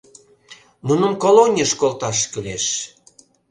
Нуным колонийыш колташ кӱлеш!